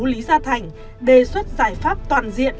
lý gia thành đề xuất giải pháp toàn diện